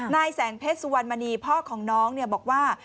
นายแสงเพชรสุวรรณมณีพ่อของน้องบอกว่า